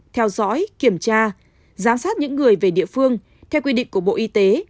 theo dõi kiểm tra giám sát những người về địa phương theo quy định của bộ y tế